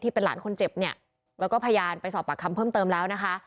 เป็นหลานคนเจ็บเนี่ยแล้วก็พยานไปสอบปากคำเพิ่มเติมแล้วนะคะ